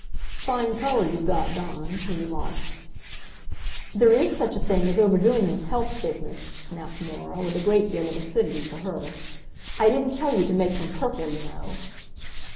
"Fine color you've got, Dawn," he remarked. "There is such a thing as overdoing this health business," snapped Norah, with a great deal of acidity for her. "I didn't tell you to make them purple, you know."